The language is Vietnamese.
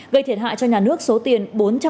gây thiệt hại cho nhà nước số tiền